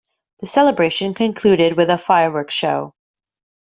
The celebration concluded with a fireworks show.